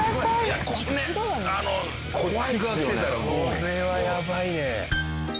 これはやばいね。